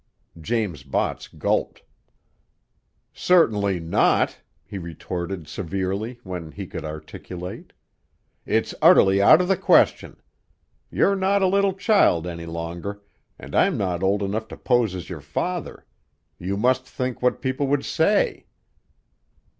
James Botts gulped. "Certainly not!" he retorted severely, when he could articulate. "It's utterly out of the question! You're not a little child any longer, and I'm not old enough to pose as your father. You must think what people would say!"